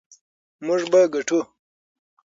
موږ به ګټو.